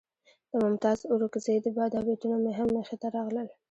د ممتاز اورکزي دا بیتونه مې هم مخې ته راغلل.